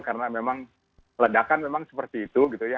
karena memang ledakan memang seperti itu gitu ya